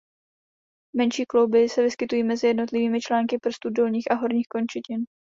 Menší klouby se vyskytují mezi jednotlivými články prstů dolních a horních končetin.